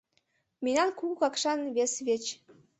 Мемнан Кугу Какшан вес веч.